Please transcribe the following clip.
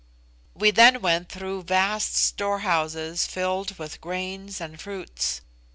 We then went through vast storehouses filled with grains and fruits.